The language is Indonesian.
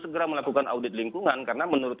segera melakukan audit lingkungan karena menurut